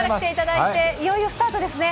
いよいよスタートですね。